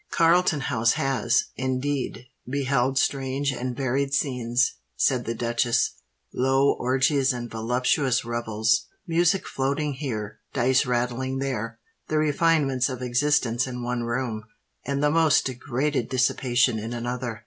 "Carlton House has, indeed, beheld strange and varied scenes," said the duchess; "low orgies and voluptuous revels—music floating here—dice rattling there—the refinements of existence in one room, and the most degraded dissipation in another."